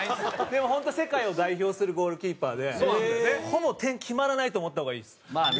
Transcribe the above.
でも本当世界を代表するゴールキーパーでほぼ点決まらないと思った方がいいです。